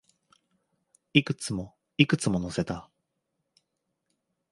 いくつも、いくつも乗せた